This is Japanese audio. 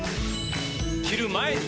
着る前に！